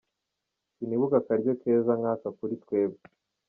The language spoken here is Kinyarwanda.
Sinibuka akaryo keza nk'aka kuri twebwe.